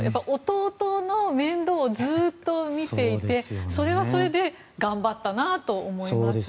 弟の面倒をずっと見ていてそれはそれで頑張ったなと思いますね。